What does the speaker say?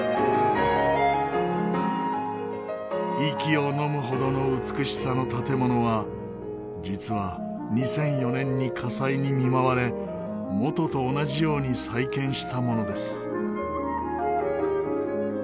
息をのむほどの美しさの建物は実は２００４年に火災に見舞われ元と同じように再建したものです。